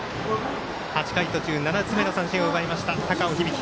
８回途中、７つ目の三振を奪いました。